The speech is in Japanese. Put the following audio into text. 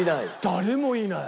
誰もいない。